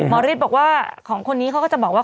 ฤทธิ์บอกว่าของคนนี้เขาก็จะบอกว่า